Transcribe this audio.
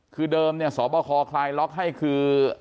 คือเดิมเนี่ยสบคลายล็อกให้คือ